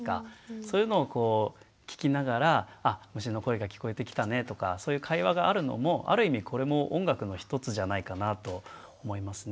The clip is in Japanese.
そういうのをこう聞きながらあ虫の声が聞こえてきたねとかそういう会話があるのもある意味これも音楽の一つじゃないかなと思いますね。